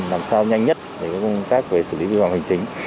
làm sao nhanh nhất để công tác về xử lý vi phạm hành chính